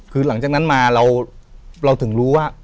คือหลังจากนั้นมาเราถึงรู้ว่า